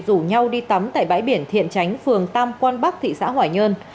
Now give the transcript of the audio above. rủ nhau đi tắm tại bãi biển thiện tránh phường tam quan bắc thị xã hoài nhơn